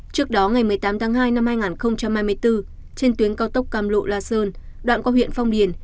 trước đó ngày một mươi tám tháng hai năm hai nghìn hai mươi bốn trên tuyến cao tốc cam lộ la sơn đoạn qua huyện phong điền